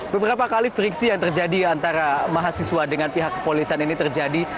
beberapa kali friksi yang terjadi antara mahasiswa dengan pihak kepolisian ini terjadi